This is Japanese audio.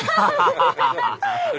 ハハハハ！